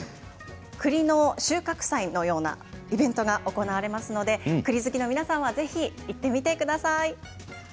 栗の収穫祭のようなイベントが行われますので栗好きの皆さんはぜひ行ってみてください。